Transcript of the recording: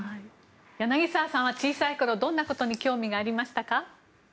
柳澤さんは、小さいころどんなことに興味がありましたか。